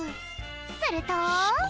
すると。